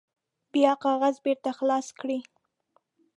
بیا کاغذ بیرته خلاص کړئ.